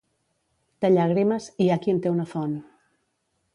De llàgrimes, hi ha qui en té una font.